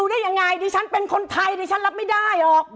ไทยเนี่ยฉันรับไม่ได้ออก